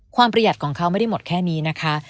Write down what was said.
ประหยัดของเขาไม่ได้หมดแค่นี้นะคะ